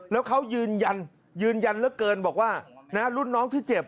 แล้วเขายืนยันยืนยันเหลือเกินบอกว่านะรุ่นน้องที่เจ็บ